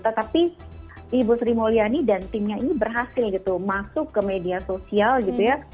tetapi ibu sri mulyani dan timnya ini berhasil gitu masuk ke media sosial gitu ya